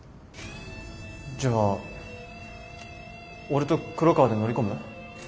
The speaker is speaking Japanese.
じゃあ俺と黒川で乗り込む？